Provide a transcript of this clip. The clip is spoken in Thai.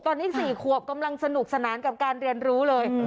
ตอนนี้สี่ขัวพอมรังสนุกสนานกับการเรียนรู้เลย